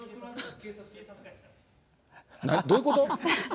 どういうこと？